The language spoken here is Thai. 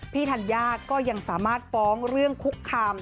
ธัญญาก็ยังสามารถฟ้องเรื่องคุกคาม